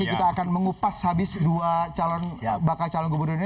kita akan mengupas habis dua bakal calon gubernur ini